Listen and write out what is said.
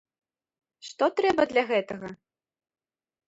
Што трэба для гэтага?